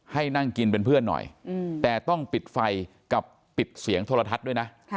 ให้นั่งกินเป็นเพื่อนหน่อยแต่ต้องปิดไฟกับปิดเสียงโทรทัศน์ด้วยนะ